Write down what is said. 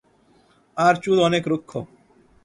আর চুল অনেক রুক্ষ।